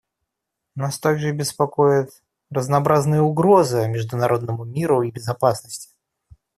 Нас также беспокоят разнообразные угрозы международному миру и безопасности.